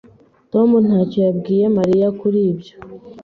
Tom ntacyo yabwiye Mariya kuri ibyo.